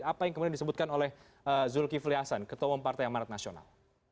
apa yang kemudian disebutkan oleh zulkifli hasan ketua umum partai amarat nasional